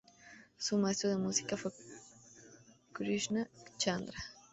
Su maestro de música fue Krishna Chandra.